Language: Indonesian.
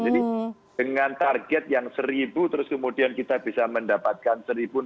jadi dengan target yang seribu terus kemudian kita bisa mendapatkan seribu enam ratus sembilan puluh enam